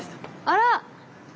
あら。